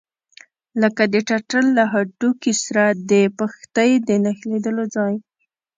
لکه د ټټر له هډوکي سره د پښتۍ د نښلېدلو ځای.